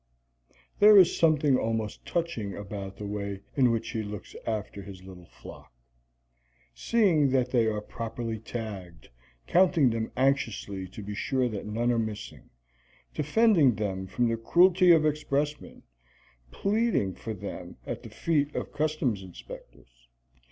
There is something almost touching about the way in which he looks after his little flock seeing that they are properly tagged, counting them anxiously to be sure that none are missing, defending them from the cruelty of expressmen, pleading for them at the feet of customs inspectors.